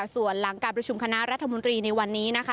ส่วนหลังการสามารถเยี่ยมกับรัฐบนรีวันนี้แล้ว